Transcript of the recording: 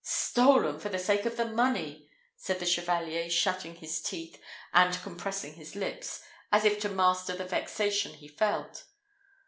"Stolen for the sake of the money!" said the Chevalier, shutting his teeth, and compressing his lips, as if to master the vexation he felt.